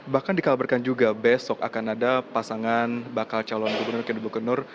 bahkan dikabarkan juga besok akan ada pasangan bakal calon gubernur kedepo kenur